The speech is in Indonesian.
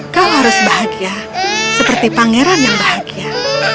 kau harus bahagia seperti pangeran yang bahagia